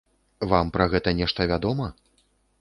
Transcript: Вам пра гэта нешта вядома?